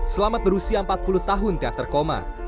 selamat berusia empat puluh tahun teater koma